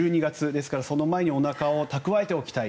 ですから、その前におなかを蓄えておきたい。